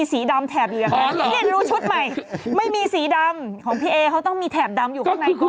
ทีเดนรู้ชุดใหม่ไม่มีสีดำของพี่เอ๊เขาต้องมีแถบดำอยู่ข้างในก่อน